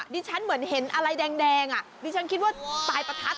ฉันเหมือนเห็นอะไรแดงดิฉันคิดว่าปลายประทัด